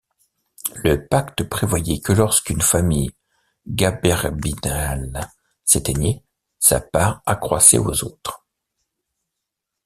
Le pacte prévoyait que lorsqu'une famille gaberbinale s'éteignait, sa part accroissait aux autres.